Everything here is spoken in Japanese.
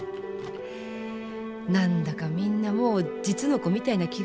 何だかみんなもう実の子みたいな気がするよ。